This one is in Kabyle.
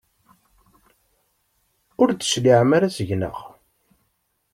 Ur d-tecliɛem ara seg-neɣ?